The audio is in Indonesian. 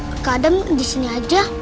kak adam di sini aja